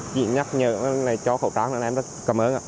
chị nhắc nhở cho khẩu trang em rất cảm ơn